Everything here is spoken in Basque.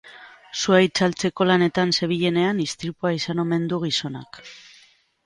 Sua itzaltzeko lanetan zebilenean istripua izan omen du gizonak.